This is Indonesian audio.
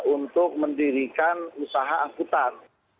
untuk mendirikan usaha angkutan